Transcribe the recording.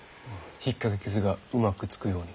ひっかき傷がうまくつくように。